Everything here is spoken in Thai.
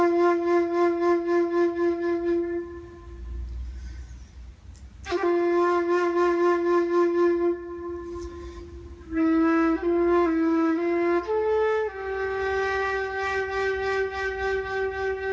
โปรดติดตามตอนต่อไป